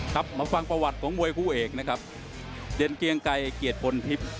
ครับมาฟังประวัติของมวยคู่เอกนะครับเด่นเกียงไกรเกียรติพลทิพย์